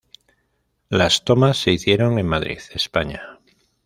Las tomas se hicieron en Madrid, España.